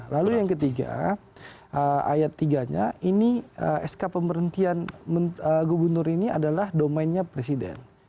lalu yang ketiga ayat tiga nya ini sk pemberhentian gubernur ini adalah domainnya presiden